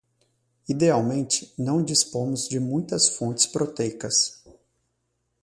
Idealmente, não dispomos de muitas fontes proteicas